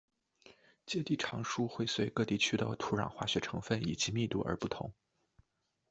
接地常数会随各地区的土壤化学成份以及密度而不同。